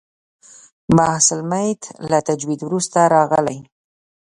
بحث المیت له تجوید وروسته راغلی.